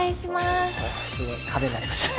すごい派手になりましたね。